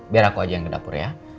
biar aku aja yang ke dapur ya